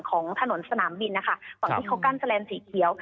ของถนนสนามบินนะคะฝั่งที่เขากั้นแลนสีเขียว